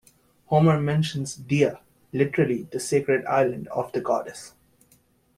Homer mentions "Dia"; literally the sacred island "of the Goddess".